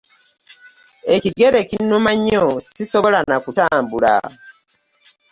Ekigere kinnuma nnyyo sisobola na kutambula.